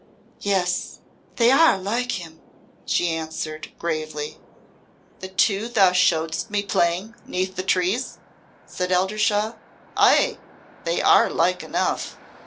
"Yes, they are like him," she answered, gravely. "The two thou show'dst me playing 'neath the trees?" said Eldershawe. "Ay, they are like enough."